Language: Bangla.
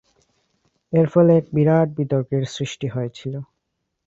এর ফলে এক বিরাট বিতর্কের সৃষ্টি হয়েছিল।